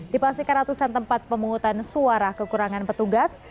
dipastikan ratusan tempat pemungutan suara kekurangan petugas